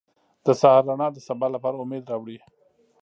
• د سهار رڼا د سبا لپاره امید راوړي.